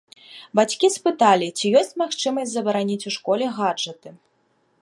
Бацькі спыталі, ці ёсць магчымасць забараніць у школе гаджэты.